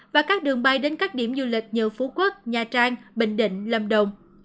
và các đường bay đến các điểm du lịch như phú quốc nha trang bình định lâm đồng